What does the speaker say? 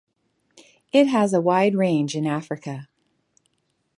It has a wide range in Africa.